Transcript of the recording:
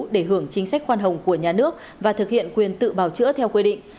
để hưởng chính sách khoan hồng của nhà nước và thực hiện quyền tự bào chữa theo quy định